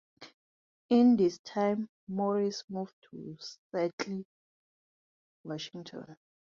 In this time, Morris moved to Seattle, Washington.